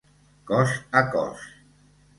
Cos a cos.